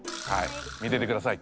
見ててください。